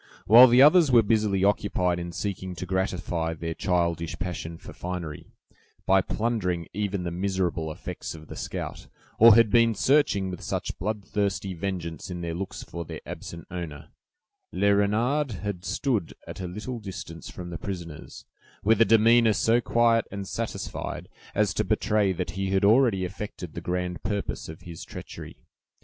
While the others were busily occupied in seeking to gratify their childish passion for finery, by plundering even the miserable effects of the scout, or had been searching with such bloodthirsty vengeance in their looks for their absent owner, Le Renard had stood at a little distance from the prisoners, with a demeanor so quiet and satisfied, as to betray that he had already effected the grand purpose of his treachery.